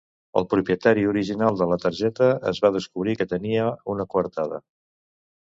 El propietari original de la targeta es va descobrir que tenia una coartada.